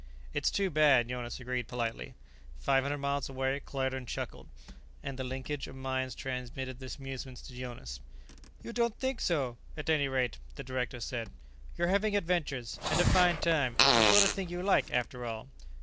"It is too bad," Jonas agreed politely. Five hundred miles away Claerten chuckled, and the linkage of minds transmitted the amusement to Jonas. "You don't think so, at any rate," the director said. "You're having adventures and a fine time. It's the sort of thing you like, after all."